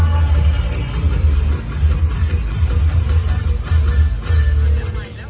มันเป็นเมื่อไหร่แล้ว